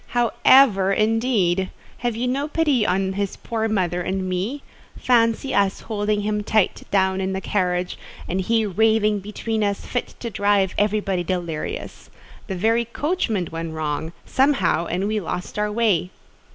"How ever, indeed! Have you no pity on his poor mother and me? Fancy us holding him tight down in the carriage, and he raving between us, fit to drive everybody delirious. The very coachman went wrong, somehow, and we lost our way."